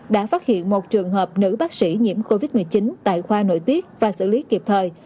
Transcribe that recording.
đã phát hiện một trường hợp nữ bác sĩ nhiễm covid một mươi chín tại khoa nội tiết và xử lý kịp thời